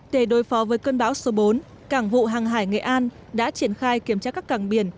để đối phó với cơn bão số bốn cảng vụ hàng hải nghệ an đã triển khai kiểm tra các cảng biển